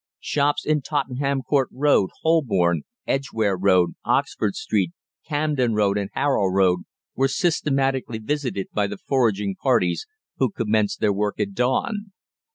Shops in Tottenham Court Road, Holborn, Edgware Road, Oxford Street, Camden Road, and Harrow Road were systematically visited by the foraging parties, who commenced their work at dawn.